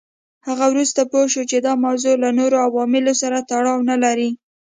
هغه وروسته پوه شو چې دا موضوع له نورو عواملو سره تړاو نه لري.